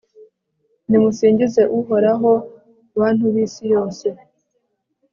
nimusingize uhoraho bantu b'isi yose